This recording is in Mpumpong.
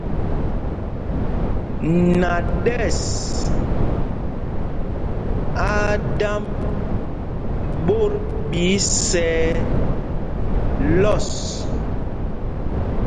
Naɗɛs á á dámb ɓot ɓɛ isɛɛ lɔs.